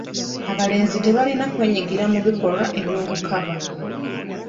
Abalenzi tebalina kwenyigira mu bikolwa eby'obukaba.